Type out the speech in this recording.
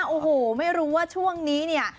โอ้โหไม่รู้ว่าช่วงนี้เนี่ย